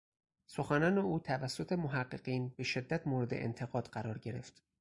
سخنان او توسط محققین به شدت مورد انتقاد قرار گرفت